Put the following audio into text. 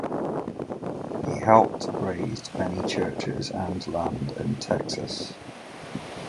He helped raised many churches and land in Texas.